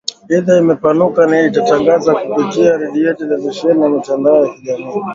Idhaa imepanuka na inatangaza kupitia redio, televisheni na mitandao ya kijamii